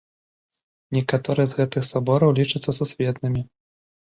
Некаторыя з гэтых сабораў лічацца сусветнымі.